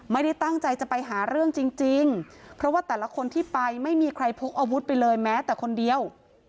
ไม่ได้ตั้งใจจะไปหาเรื่องจริงเพราะว่าแต่ละคนที่ไปไม่มีใครพกอาวุธไปเลยแม้แต่คนเดียว